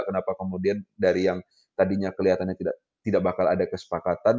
kenapa kemudian dari yang tadinya kelihatannya tidak bakal ada kesepakatan